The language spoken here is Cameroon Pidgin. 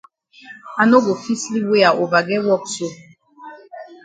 I no go fit sleep wey I ova get wok so.